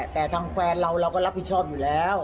แต่ทั้งแต่และเด็กครัวเราก็รับผิดชอบอยู่แล้ว